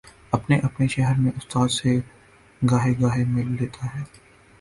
اپنے اپنے شہر میں استاد سے گاہے گاہے مل لیتا ہے۔